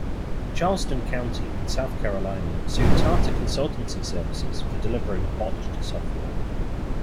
Charleston County in South Carolina sued Tata Consultancy Services for delivering botched software.